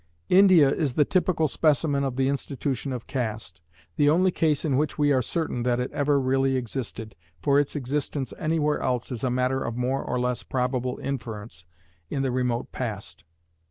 India is the typical specimen of the institution of caste the only case in which we are certain that it ever really existed, for its existence anywhere else is a matter of more or less probable inference in the remote past.